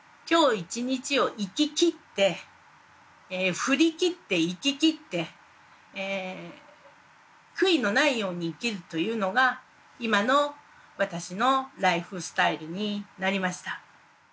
振りきって生ききって悔いのないように生きるというのが今の私のライフスタイルになりました。